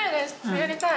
やりたい。